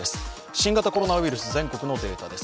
新型コロナウイルス、全国のデータです。